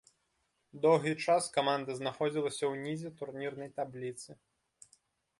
Доўгі час каманда знаходзілася ўнізе турнірнай табліцы.